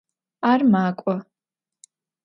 Ar mak'o.